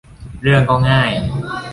เรื่องก็ง่าย